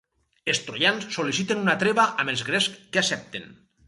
Els troians sol·liciten una treva amb els grecs que accepten.